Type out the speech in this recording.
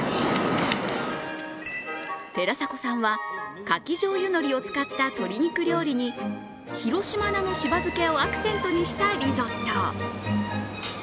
寺迫さんは、かき醤油のりを使った鶏肉料理に広島菜のしば漬けをアクセントにしたリゾット。